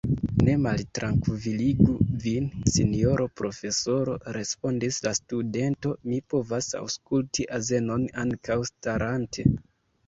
Ne maltrankviligu vin, sinjoro profesoro, respondis la studento, mi povas aŭskulti azenon ankaŭ starante.